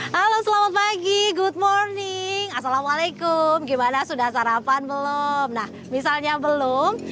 halo selamat pagi good morning assalamualaikum gimana sudah sarapan belum nah misalnya belum